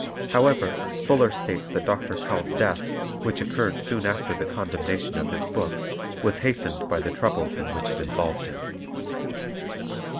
However, Fuller states that Dr. Cowell's death, which occurred soon after the condemnation of his book, was hastened by the troubles in which it involved him.